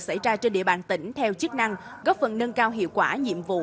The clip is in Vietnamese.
xảy ra trên địa bàn tỉnh theo chức năng góp phần nâng cao hiệu quả nhiệm vụ